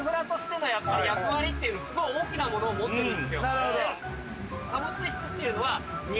なるほど。